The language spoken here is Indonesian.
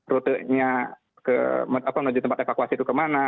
rutenya menuju tempat evakuasi itu kemana